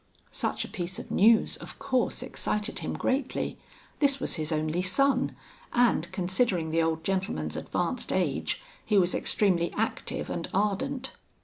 "Such a piece of news, of course, excited him greatly. This was his only son; and considering the old gentleman's advanced age, he was extremely active and ardent.